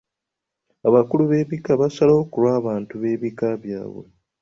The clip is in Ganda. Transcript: Abakulu b'ebika basalawo ku lw'abantu beebika byabwe.